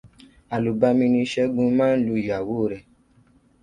Àlùbami ni Ṣégun máa ń lu ìyàwó rẹ̀.